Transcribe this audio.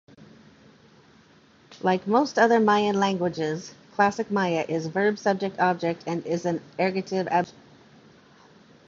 Like most other Mayan languages, Classic Maya is verb-subject-object and is an ergative-absolutive language.